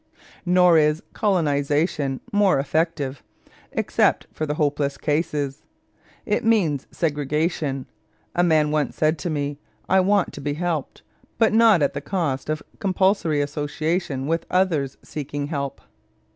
Nor is colonization more effective, except for the hopeless cases. It means segregation. A man once said to me: "I want to be helped, but not at the cost of compulsory association with others seeking help.